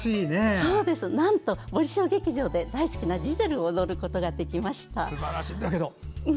ボリショイ劇場で大好きなジゼルを踊ることができました。